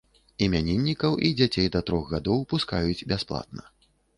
Імяніннікаў і дзяцей да трох гадоў пускаюць бясплатна.